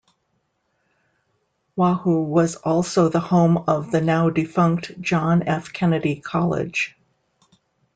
Wahoo was also the home of the now defunct John F. Kennedy College.